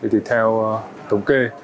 thì theo tống kê